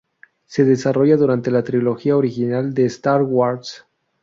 Se desarrolla durante la trilogía original de Star Wars.